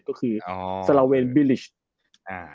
ก็คืออ๋อสลาเวนบิลิชอ่า